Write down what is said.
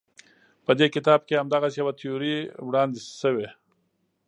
په دې کتاب کې همدغسې یوه تیوري وړاندې شوې.